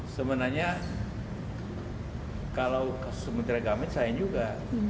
sebenarnya kalau kasus menteri agama sayang juga